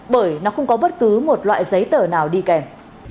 bởi nó không có bất cứ một loại giấy tờ nào đi kèm